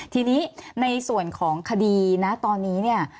ทีนี้ในส่วนของคดีนะตอนนี้เนี่ย